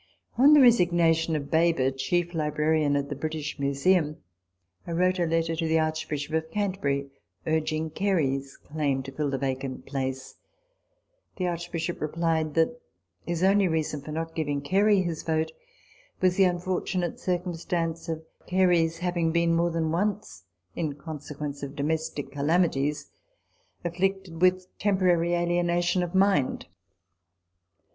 On the resignation of Baber, chief librarian at the British Museum, I wrote a letter to the Arch bishop of Canterbury, urging Gary's claim to fill the vacant place.f The Archbishop replied, that his only reason for not giving Cary his vote was the unfortunate circumstance of Gary's having been more than once, in consequence of domestic calami ties, afflicted with temporary alienation of mind.